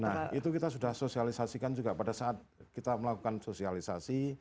nah itu kita sudah sosialisasikan juga pada saat kita melakukan sosialisasi